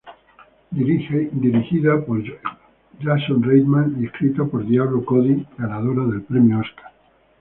Dirigida por Jason Reitman y escrita por Diablo Cody, ganadora del Premio Óscar.